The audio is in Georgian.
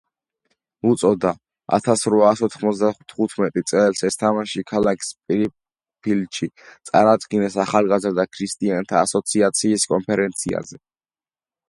უწოდა. ათასრვაასოთხმოცდათხუთმეტი წელს ეს თამაში ქალაქ სპრიფგფილდში წარადგინეს ახალგაზრდა ქრისტიანთა ასოციაციის კონფერენციაზე.